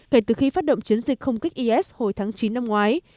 kể từ khi phát động chiến dịch không kích is hồi tháng chín năm ngoái